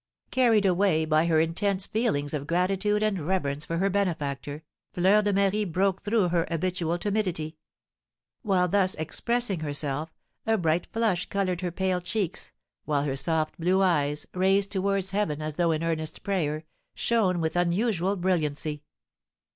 Carried away by her intense feelings of gratitude and reverence for her benefactor, Fleur de Marie broke through her habitual timidity; while thus expressing herself a bright flush coloured her pale cheeks, while her soft blue eyes, raised towards heaven as though in earnest prayer, shone with unusual brilliancy.